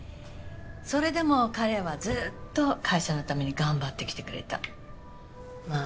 それでも彼はずっと会社のために頑張ってきてくれたまあ